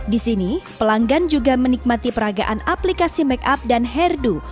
di sini pelanggan juga menikmati peragaan aplikasi make up dan hairdo